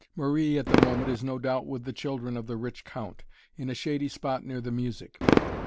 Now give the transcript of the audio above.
Marie, at the moment, is no doubt with the children of the rich Count, in a shady spot near the music.